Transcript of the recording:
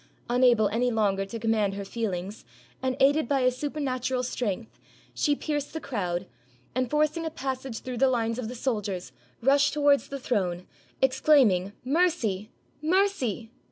Unable any longer to command her feelings, and, aided by a supernatural strength, she pierced the crowd, and, forcing a passage through the lines of the soldiers, rushed towards the throne, exclaim ing, "Mercy! mercy!"